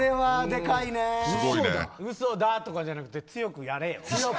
うそだ、じゃなくて強くやれよ。